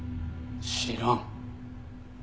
知らん。